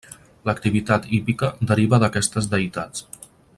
L'activitat hípica deriva d'aquestes deïtats.